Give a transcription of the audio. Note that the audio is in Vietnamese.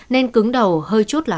nên cứng đầu hơi chút lạc